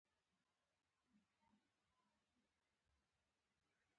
موټر د تګ راتګ ضرورت پوره کوي.